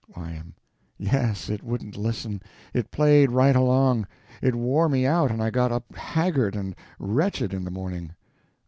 Y.M. Yes. It wouldn't listen; it played right along. It wore me out and I got up haggard and wretched in the morning.